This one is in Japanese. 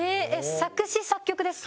作詞作曲ですか？